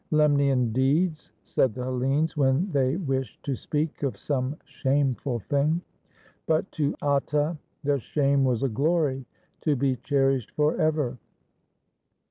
"Lemnian deeds," said the Hellenes, when they wished to speak of some shameful thing; but to Atta the shame was a glory to be cherished forever.